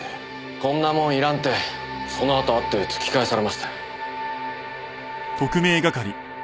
こんなもん要らんってそのあと会って突き返されましたよ。